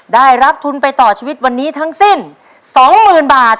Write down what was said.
ได้รับทุนไปต่อชีวิตวันนี้ทั้งสิ้น๒๐๐๐บาท